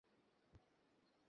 তারমানে তুমি সত্যি পালিয়ে যাবে?